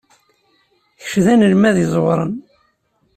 Kečč d anelmad iẓewren.